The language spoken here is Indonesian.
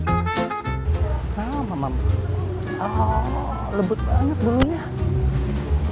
alpaka kecil tak perlu takut ya bila ingin memberi makan alpaka sebab hewan ini relatif toleran dengan keberadaan manusia